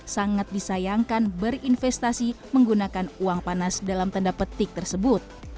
sangat disayangkan berinvestasi menggunakan uang panas dalam tanda petik tersebut